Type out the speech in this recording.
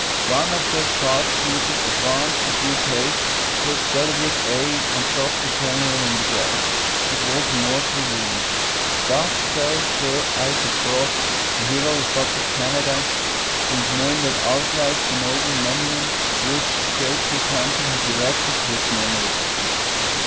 One of their sharp shooters advanced a few paces, took deliberate aim, and shot the general in the breast. It was a mortal wound. Thus fell Sir Isaac Brock, the hero of Upper Canada, whose name will outlive the noble monument which a grateful country has erected to his memory.